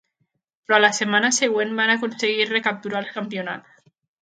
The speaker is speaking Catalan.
Però la setmana següent van aconseguir recapturar els campionats.